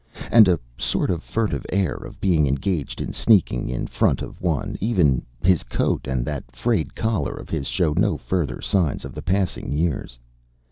and a sort of furtive air of being engaged in sneaking in front of one; even his coat and that frayed collar of his show no further signs of the passing years.